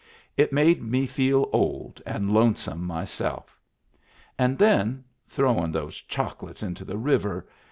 It made me feel old and lone some myself ! And then — throwin' those choco lates into the river!